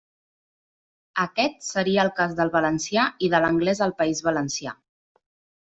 Aquest seria el cas del valencià i de l'anglés al País Valencià.